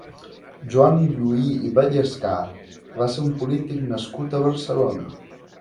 Joan Lluhí i Vallescà va ser un polític nascut a Barcelona.